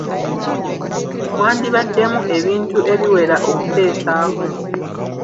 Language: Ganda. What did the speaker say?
Mwandibaddemu ebintu ebiwera okuteesaako.